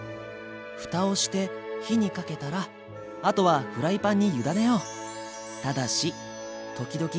ふたをして火にかけたらあとはフライパンに委ねよう。